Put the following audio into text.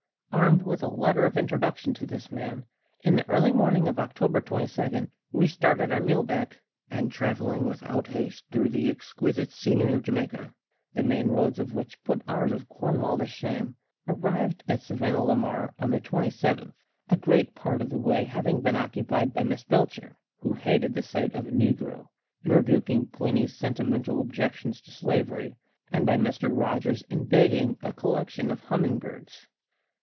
Armed with a letter of introduction to this man, in the early morning of October 22 we started on muleback, and, travelling without haste through the exquisite scenery of Jamaica (the main roads of which put ours of Cornwall to shame), arrived at Savannah la Mar on the 27th, a great part of the way having been occupied by Miss Belcher (who hated the sight of a negro) in rebuking Plinny's sentimental objections to slavery, and by Mr. Rogers in begging a collection of humming birds.